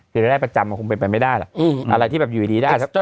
คือรายได้ประจำมันคงเป็นไปไม่ได้ล่ะอะไรที่แบบอยู่ดีได้